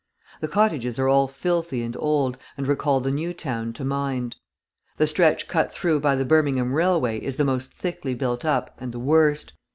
The cottages are all filthy and old, and recall the New Town to mind. The stretch cut through by the Birmingham railway is the most thickly built up and the worst.